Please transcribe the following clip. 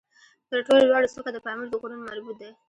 تر ټولو لوړه څوکه د پامیر د غرونو مربوط ده